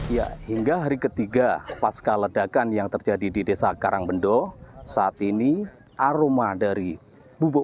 ya hingga hari ketiga pasca ledakan yang terjadi di desa karangbendo saat ini aroma dari bubuk